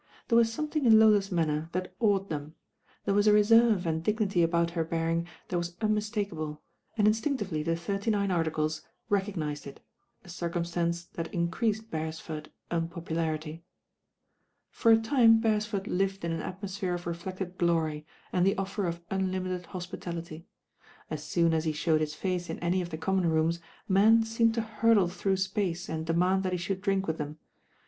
There was somethmg in Lola's manner that awed them. There was a reserve and dipiity about her bearing that was unmistakable, and mstinctively the Thirty Nine Articles recog nised It, a circumstance that increased Beresford's unpopularity. For a time Beresford lived in an atmosphere of reflected glory and the offer of unlimited hospitality As soon as he showed his face in any of the common rooms, men seemed to hurtle through space and demand that he should drink with them.